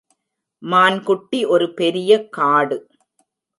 மான்குட்டி ஒரு பெரிய காடு.